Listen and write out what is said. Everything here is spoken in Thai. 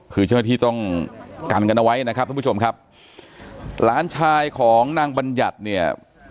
กันกันเอาไว้นะครับสมมุติผมครับล้านชายของนางบรรยัตน์เนี่ย